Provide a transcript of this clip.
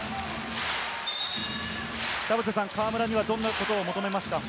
河村にはどんなことを求めますか？